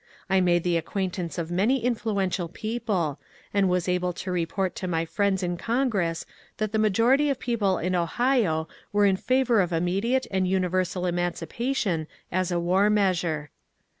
I made the acquaintance of many influ ential people, and was able to report to my friends in Con gress that the majority of people in Ohio were in favour of immediate and universal emancipation as a war measure.